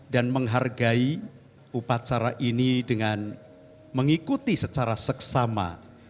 menghargai upacara ini dengan mengikuti secara seksama